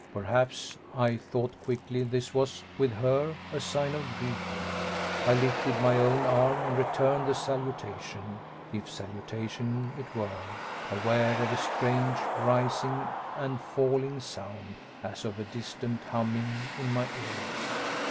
Perhaps, I thought quickly, this was, with her, a sign of greeting. I lifted my own arm and returned the salutation, if salutation it were, aware of a strange rising and falling sound, as of a distant humming, in my ears.